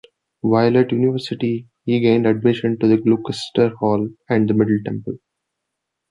While at university, he gained admission to Gloucester Hall and the Middle Temple.